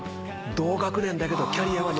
同学年だけどキャリアは。